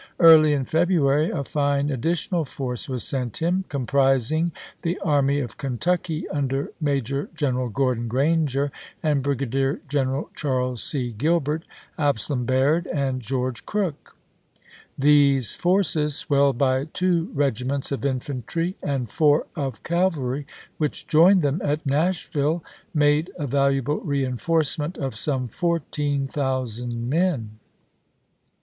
Early in February a fine additional force was sent 44 ABRAHAM LINCOLN CHAP. III. him, comprising the Army of Kentucky under Major General Gordon Glranger and Brigadier Gen erals Charles C. Gilbert, Absalom Baird, and George Crook. These forces, swelled by two regiments of infantry and four of cavalry, which joined them at Nashville, made a valuable reenforcement of some fourteen thousand men.